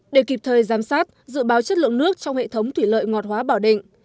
để kịp thời giám sát dự báo chất lượng nước trong hệ thống thủy lợi ngọt hóa bảo định